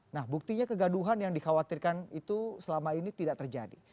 nah buktinya kegaduhan yang dikhawatirkan itu selama ini tidak terjadi